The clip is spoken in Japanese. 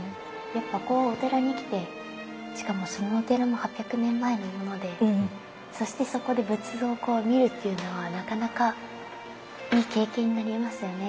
やっぱこうお寺に来てしかもそのお寺も８００年前のものでそしてそこで仏像を見るっていうのはなかなかいい経験になりますよね。